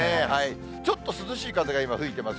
ちょっと涼しい風が今、吹いてます。